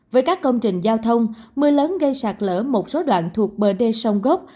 với các công trình giao thông mưa lớn gây sạt lỡ một số đoạn thuộc bờ đê sông gốc